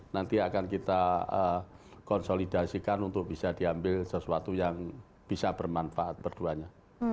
nanti akan kita konsolidasikan untuk bisa diambil sesuatu yang bisa bermanfaat berduanya